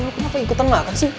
lo kenapa ikutan makan sih